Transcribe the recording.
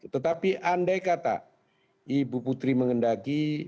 tetapi andai kata ibu putri mengendaki